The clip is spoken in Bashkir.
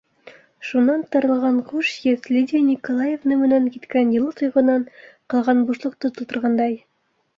Шунан таралған хуш еҫ Лидия Николаевна менән киткән йылы тойғонан ҡалған бушлыҡты тултырғандай.